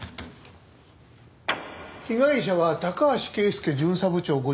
被害者は高橋啓介巡査部長５５歳。